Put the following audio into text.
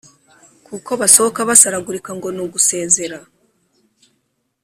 Kuko basohoka basaragurika ngo nugusezera.